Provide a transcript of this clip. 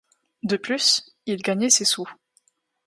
De plus, il gagnait ses sous.